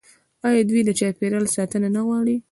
آیا دوی د چاپیریال ساتنه نه غواړي؟